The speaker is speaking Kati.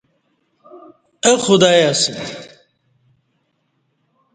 اہ خدائی اسہ